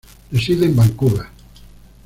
Reside en Vancouver.